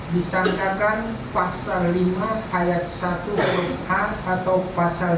disangkakan pasal lima ayat satu huruf a atau pasal dua